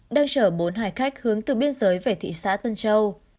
đang chở bốn hải khách hướng từ biên giới về thị xã tân châu